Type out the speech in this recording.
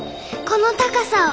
この高さを！